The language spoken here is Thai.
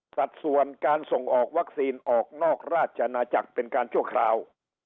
สัดส่วนการส่งออกวัคซีนออกนอกราชนาจักรเป็นการชั่วคราว